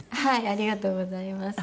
ありがとうございます。